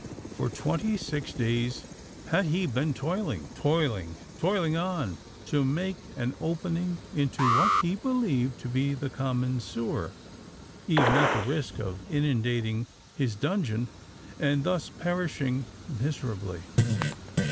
for twenty six days had he been toiling—toiling—toiling on, to make an opening into what he believed to be the common sewer,—even at the risk of inundating his dungeon, and thus perishing miserably!